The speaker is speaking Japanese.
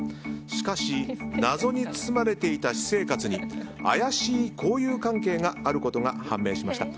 しかし謎に包まれていた私生活に怪しい交友関係があることが判明しました。